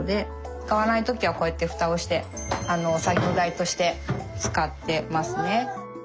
使わない時はこうやって蓋をして作業台として使ってますね。